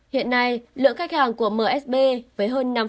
hiện nay lượng khách hàng của msb với hơn năm